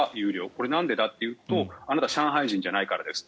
これはなんでかというとあなたは上海人じゃないからです